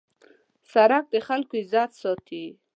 سړک د خلکو عزت ساتي.